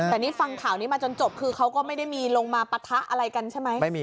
แต่นี่ฟังข่าวนี้มาจนจบคือเขาก็ไม่ได้มีลงมาปะทะอะไรกันใช่ไหม